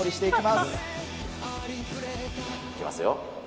いきますよ。